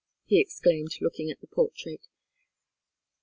he exclaimed, looking at the portrait.